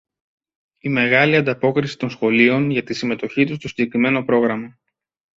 Η μεγάλη ανταπόκριση των σχολείων για συμμετοχή τους στο συγκεκριμένο πρόγραμμα